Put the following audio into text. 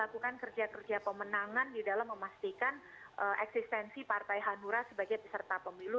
melakukan kerja kerja pemenangan di dalam memastikan eksistensi partai hanura sebagai peserta pemilu